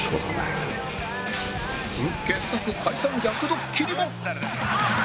今夜は傑作解散逆ドッキリも